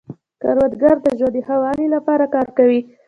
کروندګر د ژوند د ښه والي لپاره کار کوي